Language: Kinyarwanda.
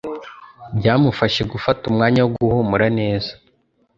Byamufashije gufata umwanya wo guhumura neza.